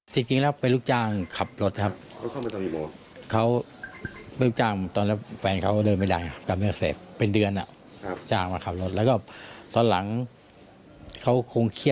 เข้ามาหน้าตาก็เครียดอะไรอย่างเงี้ย